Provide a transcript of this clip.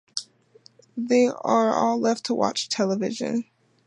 They are all left to watch television.